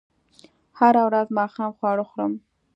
هره ورځ ماښام خواړه خورم